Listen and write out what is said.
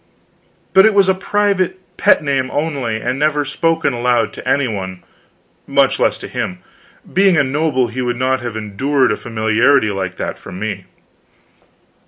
But it was a private pet name only, and never spoken aloud to any one, much less to him; being a noble, he would not have endured a familiarity like that from me.